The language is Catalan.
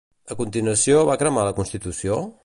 A continuació va cremar la constitució?